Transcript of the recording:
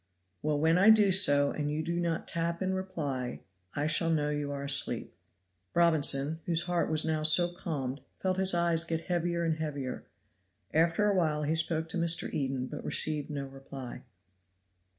"Well, when I do so and you do not tap in reply I shall know you are asleep." Robinson, whose heart was now so calmed, felt his eyes get heavier and heavier. After a while he spoke to Mr. Eden but received no reply.